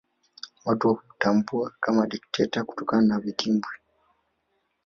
Watu hutambua kama dikteta kutokana na vitimbwi